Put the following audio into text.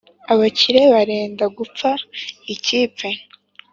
abakire barenda gufa ikipe